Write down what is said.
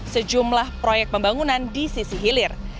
sejumlah proyek pembangunan di sisi hilir